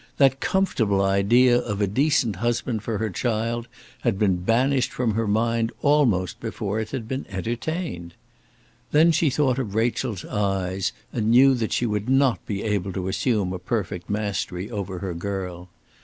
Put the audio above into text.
That comfortable idea of a decent husband for her child had been banished from her mind almost before it had been entertained. Then she thought of Rachel's eyes, and knew that she would not be able to assume a perfect mastery over her girl.